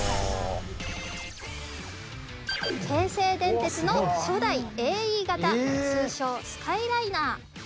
京成電鉄の初代ＡＥ形通称スカイライナー。